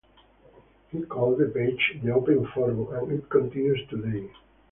He called the page The Open Forum and it continues today.